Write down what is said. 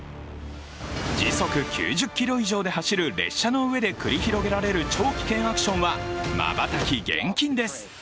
時速９０キロ以上で走る列車の上で繰り広げられる超危険アクションはまばたき厳禁です。